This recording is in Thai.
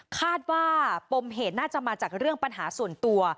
คาดว่าปมเหตุน่าจะมาจากเรื่องปัญหาส่วนตัว